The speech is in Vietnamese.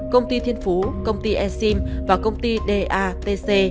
công ty thiên phú công ty esim và công ty datc